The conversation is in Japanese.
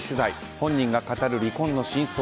本人が語る離婚の真相。